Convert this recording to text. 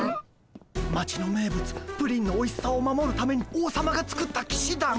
町の名物プリンのおいしさを守るために王様が作ったきしだん。